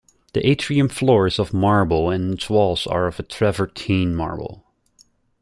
The atrium floor is of marble and its walls are of travertine marble.